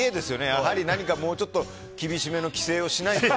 やはり、何かもうちょっと厳しめの規制をしないと。